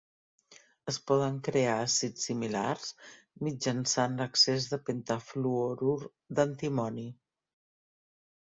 Es poden crear àcids similars mitjançant l'excés de pentafluorur d'antimoni.